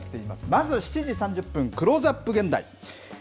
まず７時３０分、クローズアップ現代。